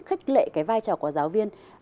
khích lệ cái vai trò của giáo viên